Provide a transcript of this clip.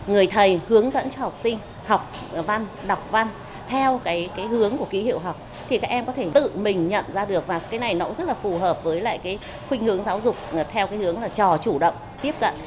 người thầy hướng dẫn cho học sinh học văn đọc văn theo cái hướng của ký hiệu học thì các em có thể tự mình nhận ra được và cái này nó cũng rất là phù hợp với lại cái khuyên hướng giáo dục theo cái hướng là trò chủ động tiếp cận